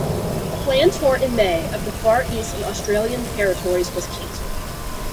A planned tour in May of the Far East and Australian territories was cancelled.